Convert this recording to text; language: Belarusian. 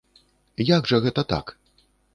Як жа гэта так?